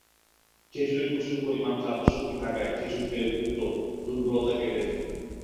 খেজুরে প্রচুর পরিমাণ খাদ্যশক্তি থাকায়, খেজুর খেলে দ্রুত দুর্বলতা কেটে যায়।